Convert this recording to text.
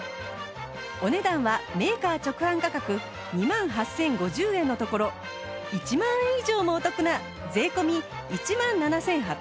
お値段はメーカー直販価格２万８０５０円のところ１万円以上もお得な税込１万７８００円！